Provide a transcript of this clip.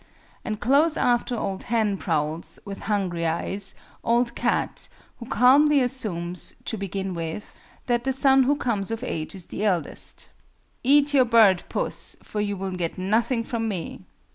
And close after OLD HEN prowls, with hungry eyes, OLD CAT, who calmly assumes, to begin with, that the son who comes of age is the eldest. Eat your bird, Puss, for you will get nothing from me!